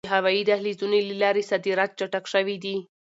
د هوایي دهلیزونو له لارې صادرات چټک شوي دي.